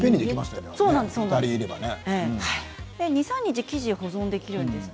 ２、３日生地は保存できるんです。